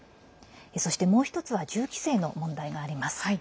そして、もう１つは銃規制の問題があります。